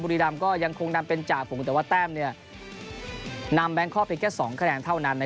บุรีดรัมย์ก็ยังคงนำเป็นจ่าฝงแต่ว่าแต้มนำแบงคทไปแค่๒แขนงเท่านั้นนะครับ